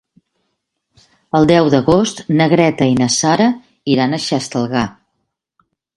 El deu d'agost na Greta i na Sara iran a Xestalgar.